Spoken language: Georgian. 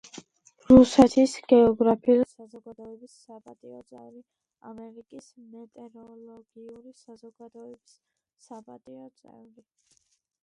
რუსეთის გეოგრაფიული საზოგადოების საპატიო წევრი, ამერიკის მეტეოროლოგიური საზოგადოების საპატიო წევრი.